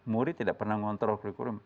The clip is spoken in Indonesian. murid tidak pernah ngontrol kurikulum